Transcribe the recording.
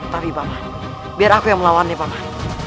tapi bapak biar aku yang melawan nih bapak